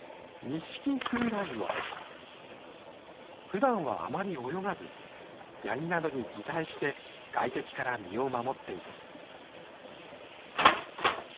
ふだんはあまり泳がずヤギなどに擬態して外敵から身を守っています。